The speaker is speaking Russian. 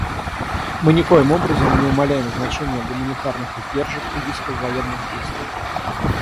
Мы никоим образом не умаляем значения гуманитарных издержек и рисков военных действий.